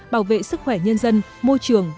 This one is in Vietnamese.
bảo vệ sức khỏe nhân dân môi trường